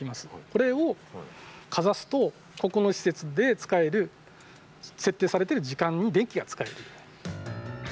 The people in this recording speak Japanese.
これをかざすと、ここの施設で使える、設定されてる時間に電気が使えるように。